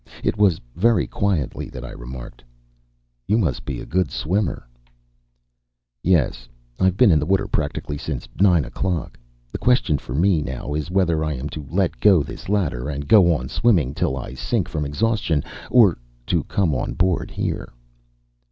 It was very quietly that I remarked: "You must be a good swimmer." "Yes. I've been in the water practically since nine o'clock. The question for me now is whether I am to let go this ladder and go on swimming till I sink from exhaustion, or to come on board here."